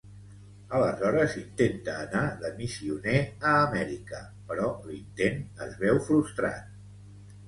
Aleshores intenta anar de missioner a Amèrica, però l'intent es veu frustrat.